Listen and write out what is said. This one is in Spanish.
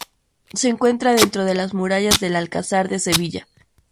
Se encuentra dentro de las murallas del Alcázar de Sevilla.